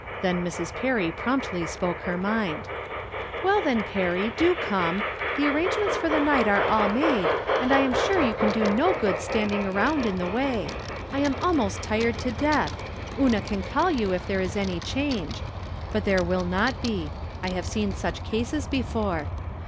Then Mrs. Perry promptly spoke her mind :" WeU, then, Perry, do come. The arrange ments for the night are all made, and I am sure you can do no good standing around in the way. I am almost tired to death. Una can call you if there is any change. But there will not be. I have seen such cases before.